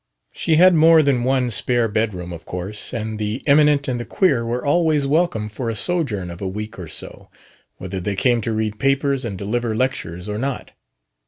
She had more than one spare bedroom, of course; and the Eminent and the Queer were always welcome for a sojourn of a week or so, whether they came to read papers and deliver lectures or not.